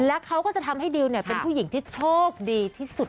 และเขาก็จะทำให้ดิวเป็นผู้หญิงที่โชคดีที่สุด